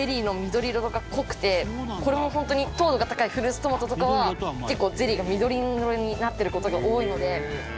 これも本当に糖度が高いフルーツトマトとかは結構ゼリーが緑色になってる事が多いので。